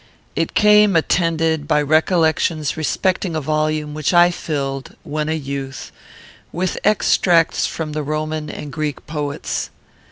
It came attended by recollections respecting a volume which I filled, when a youth, with extracts from the Roman and Greek poets.